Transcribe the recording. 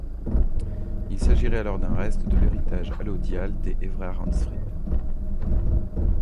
Il s'agirait alors d'un reste de l'héritage allodial des Évrard-Ansfrid.